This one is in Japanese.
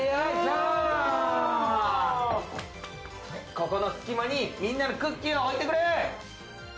ここの隙間にみんなのクッキーを置いてくれ！